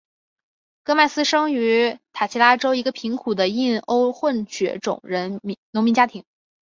戈麦斯生于塔奇拉州一个贫苦的印欧混血种人农民家庭。